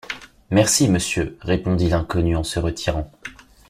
Merci, monsieur, » répondit l’inconnu en se retirant